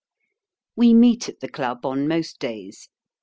We meet at the Club on most days.